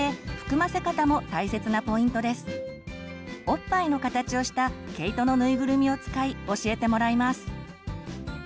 おっぱいの形をした毛糸の縫いぐるみを使い教えてもらいます。